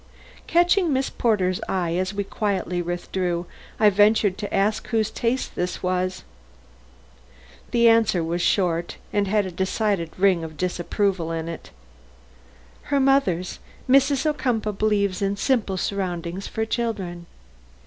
Catching Miss Porter's eye as we quietly withdrew, I ventured to ask whose taste this was. The answer was short and had a decided ring of disapproval in it. "Her mother's. Mrs. Ocumpaugh believes in simple surroundings for children."